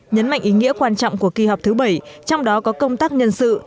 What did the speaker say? nhấn mạnh ý nghĩa quan trọng của kỳ họp thứ bảy trong đó có công tác nhân sự